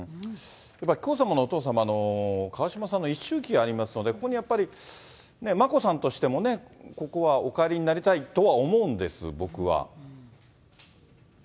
紀子さまのお父様の川嶋さんの一周忌がありますので、ここにやっぱり、眞子さんとしてもね、ここはお帰りになりたいとは思うんです、僕は。